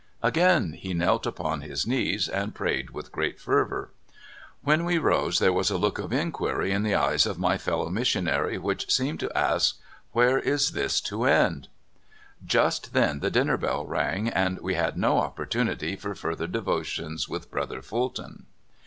Again he knelt upon his knees and prayed with great fervor. When we rose there was a look of inquiry in the eyes of my fellow missionary which seemed to ask :'' Where is this to end ?" Just then the dinner bell rang, and we had no opportunity for further devotions with Brother Fulton.